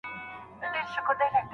د خوابدۍ د اوږدېدو مخه څنګه نيول کيږي؟